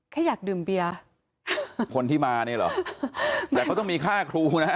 แค่อยากดื่มเบียร์คนที่มานี่เหรอแต่เขาต้องมีค่าครูนะ